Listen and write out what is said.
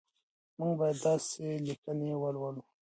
موږ باید داسې لیکنې ولولو.